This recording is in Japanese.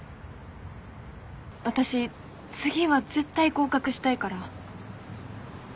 私次は絶対合格したいから。